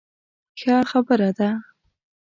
ښه خبره ده.